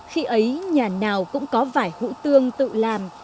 khi ấy nhà nào cũng có vải hữu tương tự làm